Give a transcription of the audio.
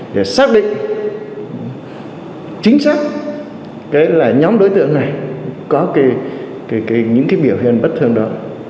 để xác định chính xác nhóm đối tượng này có những biểu hiện bất thường đó